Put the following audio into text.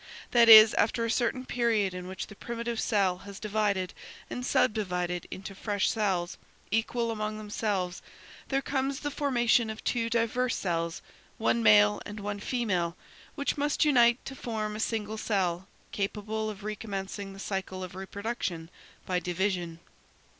That is, after a certain period in which the primitive cell has divided and sub divided into fresh cells, equal among themselves, there comes the formation of two diverse cells, one male and one female, which must unite to form a single cell capable of recommencing the cycle of reproduction by division.